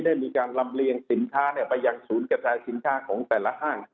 ได้มีการลำเลียงสินค้าไปยังศูนย์กระจายสินค้าของแต่ละห้าง